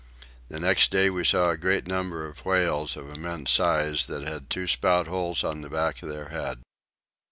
The next day we saw a great number of whales of an immense size that had two spout holes on the back of the head.